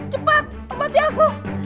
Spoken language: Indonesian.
cepat obati aku